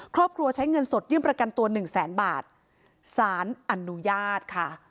ใช้เงินสดยื่นประกันตัวหนึ่งแสนบาทสารอนุญาตค่ะ